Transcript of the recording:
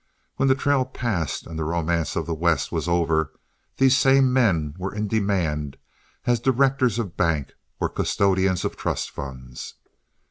When the trail passed and the romance of the West was over, these same men were in demand as directors of banks or custodians of trust funds.